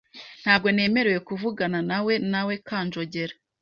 Ntabwo nemerewe kuvuganawe nawe Kanjogera .